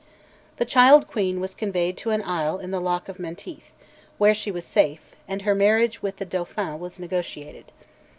The child queen was conveyed to an isle in the loch of Menteith, where she was safe, and her marriage with the Dauphin was negotiated.